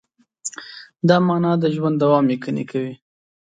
دا مانا د ژوند دوام یقیني کوي.